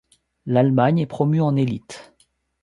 L'Allemagne est promue en élite.